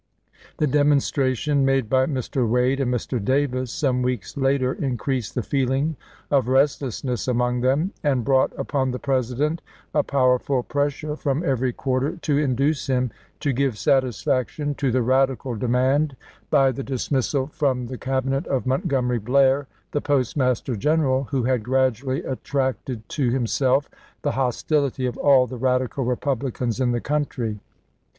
The demonstration made by Mr. Wade and Mr. Davis some weeks later increased the feeling of restlessness among them, and brought upon the President a powerful pressure from every quarter to induce him to give sat isfaction to the radical demand by the dismissal CABINET CHANGES 333 from the Cabinet of Montgomery Blair, the Post chap. xv. master General, who had gradually attracted to himself the hostility of all the radical Republicans in the country.